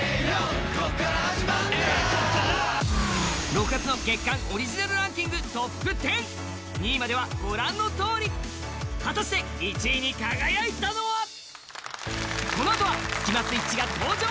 ６月の月間オリジナルランキングＴＯＰ１０２位まではご覧のとおり果たしてこのあとはスキマスイッチが登場！